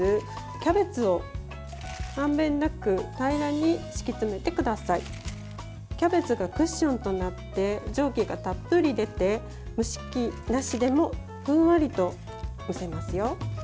キャベツがクッションとなって蒸気がたっぷり出て蒸し器なしでもふんわりと蒸せますよ。